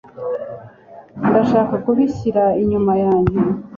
Ndashaka kubishyira inyuma yanjye.